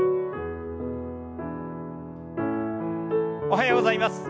おはようございます。